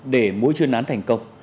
để mỗi chuyên án thành công